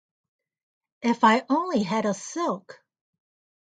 If I only had a silk!